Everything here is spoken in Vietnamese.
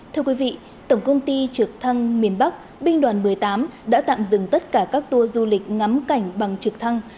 thưa quý vị tổng công ty trực thăng miền bắc binh đoàn một mươi tám đã tạm dừng tất cả các tour du lịch ngắm cảnh bằng trực thăng